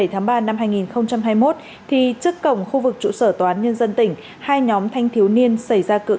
tháng ba năm hai nghìn hai mươi một thì trước cổng khu vực chủ sở tòa án nhân dân tỉnh hai nhóm thanh thiếu niên xảy ra